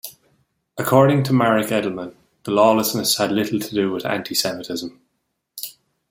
According to Marek Edelman the lawlessness had little to do with antisemitism.